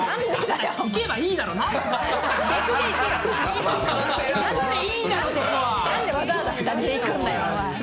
なんでわざわざ２人で行くんだよ。